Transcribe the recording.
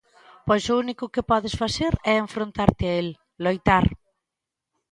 Pois o único que podes facer é enfrontarte a el, loitar.